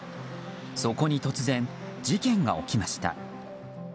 そこに突然、事件が起きました。